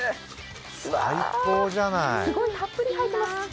うわ、たっぷり入ってます。